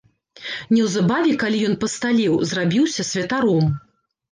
Неўзабаве, калі ён пасталеў, зрабіўся святаром.